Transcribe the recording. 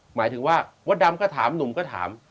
หมายถึงว่ามดดำก็ถามหนุ่มก็ถาม